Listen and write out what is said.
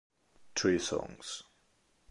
Three Songs